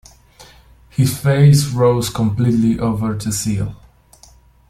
His face rose completely over the sill.